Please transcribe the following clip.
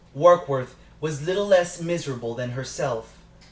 Warkworth was little less miserable than herself.